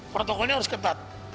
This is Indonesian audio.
protokolnya harus ketat